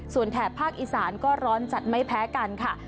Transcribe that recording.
ส่วนแถบภาคอีสานก็ร้อนจัดไม่แพ้กันค่ะ